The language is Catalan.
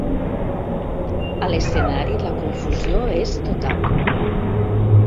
A l'escenari la confusió és total.